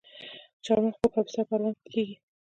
چهارمغز په کاپیسا او پروان کې کیږي.